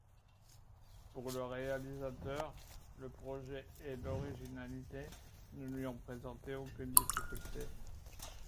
Pour le réalisateur, le projet et l'originalité ne lui ont présenté aucune difficulté.